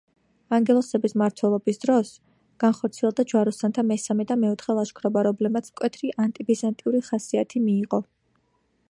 ანგელოსების მმართველობის დროს განხორციელდა ჯვაროსანთა მესამე და მეოთხე ლაშქრობა, რომლებმაც მკვეთრი ანტიბიზანტიური ხასიათი მიიღო.